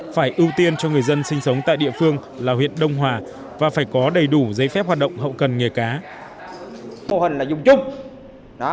phải ưu tiên cho người dân sinh sống tại địa phương là huyện đông hòa và phải có đầy đủ giấy phép hoạt động hậu cần nghề cá